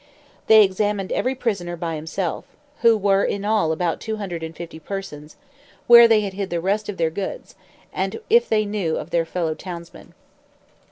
They examined every prisoner by himself (who were in all about two hundred and fifty persons), where they had hid the rest of their goods, and if they know of their fellow townsmen.